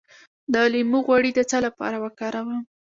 د لیمو غوړي د څه لپاره وکاروم؟